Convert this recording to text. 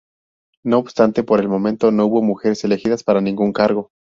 No obstante, por el momento no hubo mujeres elegidas para ningún cargo.